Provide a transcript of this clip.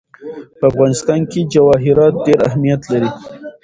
په افغانستان کې جواهرات ډېر اهمیت لري.